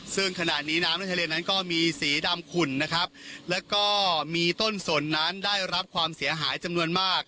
ซึ่งขณะนี้น้ำในทะเลนั้นก็มีสีดำขุ่นนะครับแล้วก็มีต้นสนนั้นได้รับความเสียหายจำนวนมาก